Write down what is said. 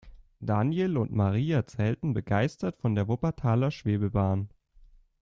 Daniel und Marie erzählten begeistert von der Wuppertaler Schwebebahn.